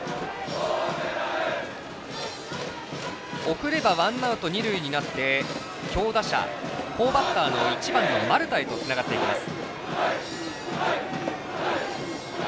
送ればワンアウト、二塁になって強打者、好バッターの１番の丸田へとつながっていきます。